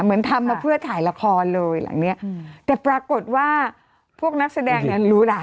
เหมือนทำมาเพื่อถ่ายละครเลยหลังเนี้ยแต่ปรากฏว่าพวกนักแสดงเนี่ยรู้ล่ะ